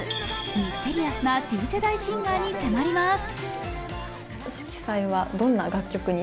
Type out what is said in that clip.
ミステリアスな新世代シンガーに迫ります。